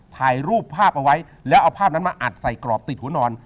ถ่ายรูปภาพเอาไว้แล้วเอาภาพนั้นมาอัดใส่กรอบติดหัวนอน